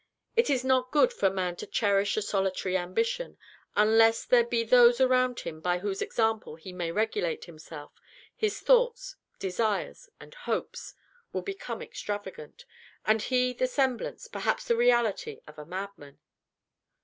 It is not good for man to cherish a solitary ambition. Unless there be those around him by whose example he may regulate himself, his thoughts, desires, and hopes will become extravagant, and he the semblance, perhaps the reality, of a madman.